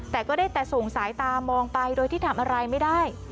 แต่ก็ได้แต่ส่งสายตามองไปโดยที่ทำอะไรไม่ได้